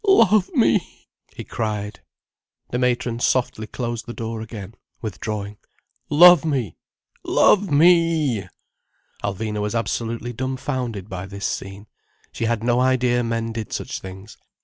Love me!" he cried. The matron softly closed the door again, withdrawing. "Love me! Love me!" Alvina was absolutely dumbfounded by this scene. She had no idea men did such things.